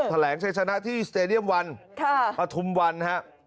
แถลงใช้ชนะที่สเตรเดียม๑ประถุม๑ครับ